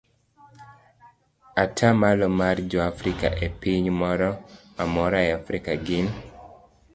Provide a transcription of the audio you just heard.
Atamalo mar joafrika e piny moro amora e Afrika gin